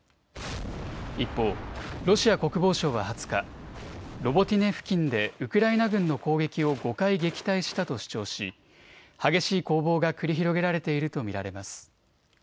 一方、ロシア国防省は２０日、ロボティネ付近でウクライナ軍の攻撃を５回、撃退したと主張し激しい攻防が繰り広げられていると見られます。